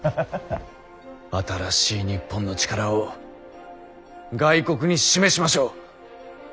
新しい日本の力を外国に示しましょう！